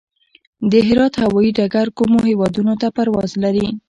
د هرات هوايي ډګر کومو هیوادونو ته پرواز لري؟